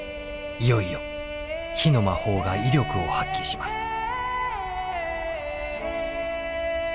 いよいよ火の魔法が威力を発揮します。